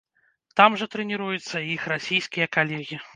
Там жа трэніруюцца і іх расійскія калегі.